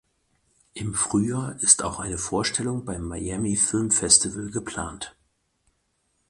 Im Frühjahr ist auch eine Vorstellung beim Miami Film Festival geplant.